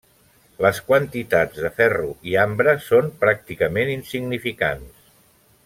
Les quantitats de ferro i ambre són pràcticament insignificants.